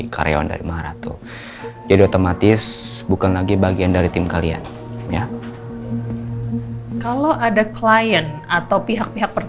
karyawan dari maratu jadi otomatis bukan lagi bagian dari tim kalian ya kalau ada klien atau pihak pihak